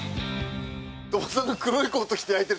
鳥羽さんが黒いコート着て焼いてると。